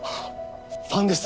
ファンです。